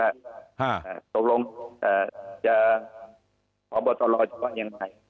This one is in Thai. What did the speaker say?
พี่ว่าตกลงจะขอบทรวจว่ายังไง